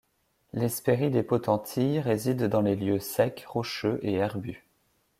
L'Hespérie des potentilles réside dans les lieux secs, rocheux et herbus.